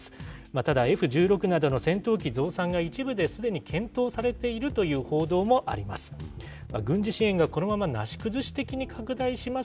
ただ、Ｆ１６などの戦闘機増産が一部ですでに検討されているという報道もあります。